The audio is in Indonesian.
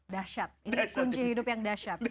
dahsyat ini kunci hidup yang dahsyat